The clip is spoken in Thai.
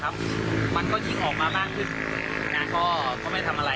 มันก็ยิ่งออกมาบางทิศแต่ก็ไม่ทำอะไร